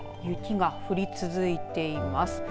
雪が降り続いています。